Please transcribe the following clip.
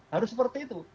harus seperti itu